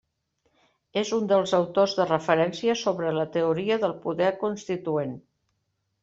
És un dels autors de referència sobre la teoria del poder constituent.